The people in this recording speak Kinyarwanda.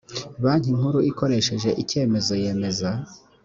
banki nkuru ikoresheje icyemezo yemeza